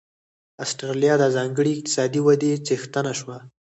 اسټرالیا د ځانګړې اقتصادي ودې څښتنه شوه.